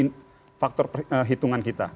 yang kedua harus menjadi faktor perhitungan kita